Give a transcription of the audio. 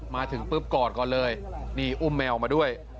มาถึงปุ๊บกอดก่อนเลยนี่อุ้มแมวมาด้วย